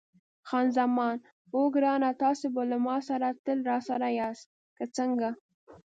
خان زمان: اوه ګرانه، تاسي به له ما سره تل راسره یاست، که څنګه؟